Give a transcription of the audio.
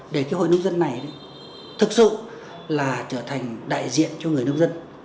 để hội nông dân này thực sự trở thành đại diện cho người nông dân